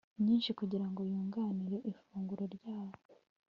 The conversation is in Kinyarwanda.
nyinshi kugira ngo yunganire ifunguro ryabo